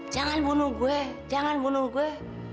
jangan bunuh gue jangan bunuh gue